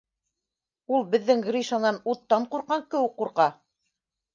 Ул беҙҙең Гришанан уттан ҡурҡҡан кеүек ҡурҡа.